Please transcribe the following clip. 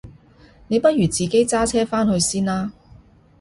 你不如自己揸車返去先啦？